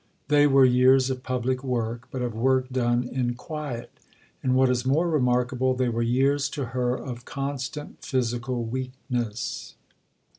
They were years of public work, but of work done in quiet. And what is more remarkable, they were years to her of constant physical weakness.